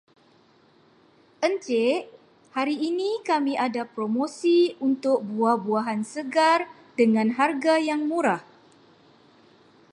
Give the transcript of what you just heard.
Encik, hari ini kami ada promosi untuk buah-buahan segar dengan harga yang murah.